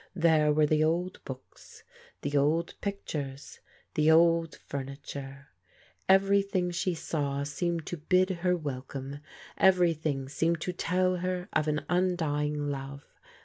There were the old books, the old pictures, the old furniture. Everything she saw seemed to bid her welcome, every thing seemed to tell her of an undying love.